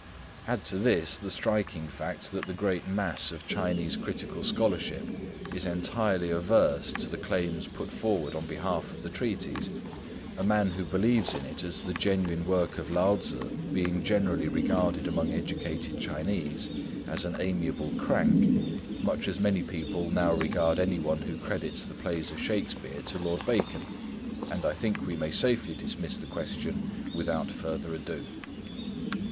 Add to this the striking fact that the great mass of Chinese critical scholarship is entirely adverse to the claims put forward on behalf of the treatise,—a man who believes in it as the genuine work of Lao Tzŭ being generally regarded among educated Chinese as an amiable crank, much as many people now regard any one who credits the plays of Shakespeare to Lord Bacon,—and I think we may safely dismiss the question without further ado.